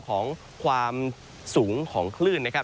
ของความสูงของคลื่นนะครับ